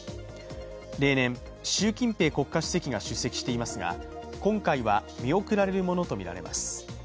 例年、習近平国家主席が出席していますが今回は見送られるものとみられます。